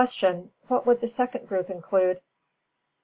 _What would the second group include?